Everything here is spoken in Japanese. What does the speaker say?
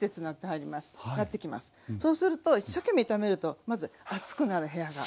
そうすると一生懸命炒めるとまず暑くなる部屋が。